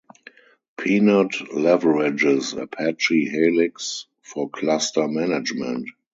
Pinot leverages Apache Helix for cluster management.